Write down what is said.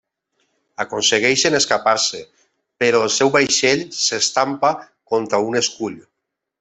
Aconsegueixen escapar-se però el seu vaixell s'estampa contra un escull.